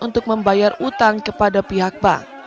untuk membayar utang kepada pihak bank